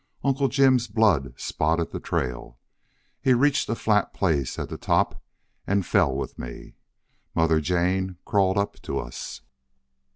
Uncle Jim's blood spotted the trail. He reached a flat place at the top and fell with me. Mother Jane crawled up to us.